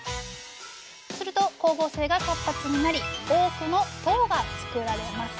すると光合成が活発になり多くの糖が作られます。